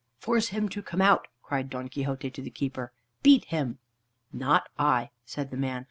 "Force him to come out," cried Don Quixote to the keeper, "beat him." "Not I," said the man.